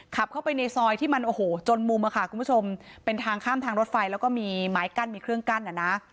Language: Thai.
ขับเข้าไปในซอยที่มันโอ้โหจนมุมอะค่ะคุณผู้ชมเป็นทางข้ามทางรถไฟแล้วก็มีไม้กั้นมีเครื่องกั้นอ่ะนะ